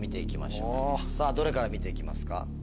さぁどれから見て行きますか？